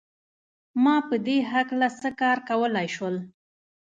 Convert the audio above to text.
ما په دې هکله څه کار کولای شول